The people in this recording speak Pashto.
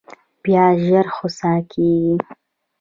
پیاز ژر خوسا کېږي